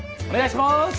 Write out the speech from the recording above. お願いします。